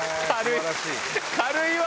軽いわ。